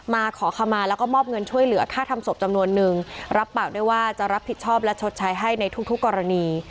มาขอขมาแล้วก็มอบเงินช่วยเหลือค่าทำศพจำนวนนึงรับปากด้วยว่าจะรับผิดชอบและชดใช้ให้ในทุกทุกกรณี